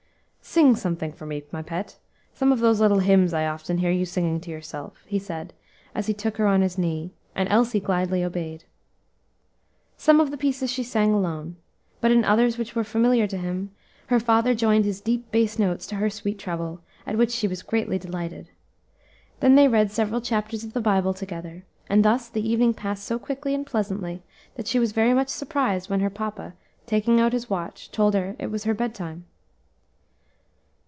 "Sing something for me, my pet, some of those little hymns I often hear you singing to yourself," he said, as he took her on his knee; and Elsie gladly obeyed. Some of the pieces she sang alone, but in others which were familiar to him, her father joined his deep bass notes to her sweet treble, at which she was greatly delighted. Then they read several chapters of the Bible together, and thus the evening passed so quickly and pleasantly that she was very much surprised when her papa, taking out his watch, told her it was her bed time.